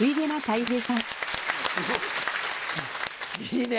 いいね。